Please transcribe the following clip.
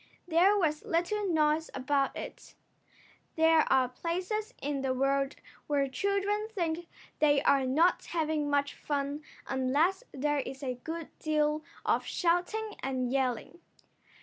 There was little noise about it. There are places in the world where children think they are not having much fun unless there is a good deal of shouting and yelling.